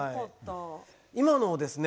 今のをですね